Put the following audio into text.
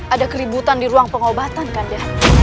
ada keributan di ruang pengobatan kan ya